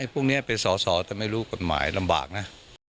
พวกนี้เป็นสอสอแต่ไม่รู้กฎหมายลำบากนะ